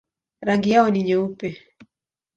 Rangi yao ni nyeupe.